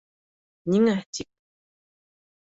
— Ниңә, тик?